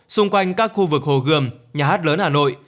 xung quanh các khu vực hồ gươm nhà hát lớn hà nội